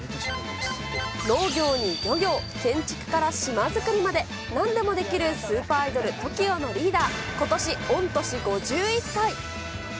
農業に漁業、建築から島作りまで、なんでもできるスーパーアイドル、ＴＯＫＩＯのリーダー、ことし御年５１歳。